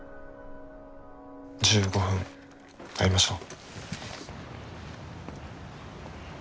１５分会いましょう。